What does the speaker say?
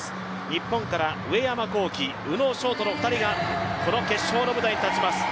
日本から上山紘輝宇野勝翔の２人がこの決勝の舞台に立ちます。